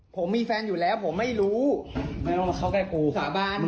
ผมมีแฟนอยู่แล้วผมไม่รู้ไม่ต้องมาเข้าใกล้ปูสาบาน